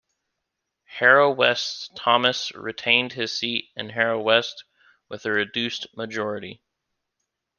Harrow West's Thomas retained his seat in Harrow West with a reduced majority.